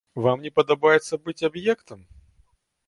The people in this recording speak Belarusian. Вам не падабаецца быць аб'ектам?